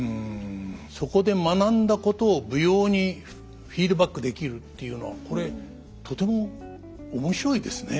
そこで学んだことを舞踊にフィードバックできるっていうのはこれとても面白いですね。